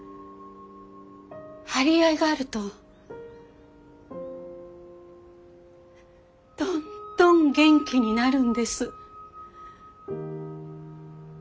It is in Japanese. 張り合いがあるとどんどん元気になるんです。